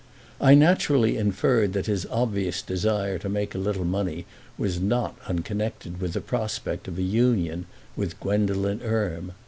I naturally inferred that his obvious desire to make a little money was not unconnected with the prospect of a union with Gwendolen Erme.